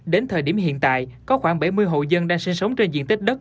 đến thời điểm hiện tại có khoảng bảy mươi hộ dân đang sinh sống trên diện tích đất